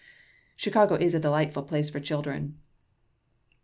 Chicago is a delightful place for children.